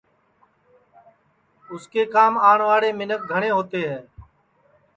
تو اُس کے کام آوڻْواݪے مینکھ گھڻْے ہووتے ہے